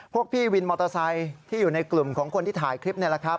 พวกพี่วินมอเตอร์ไซค์ที่อยู่ในกลุ่มของคนที่ถ่ายคลิปนี่แหละครับ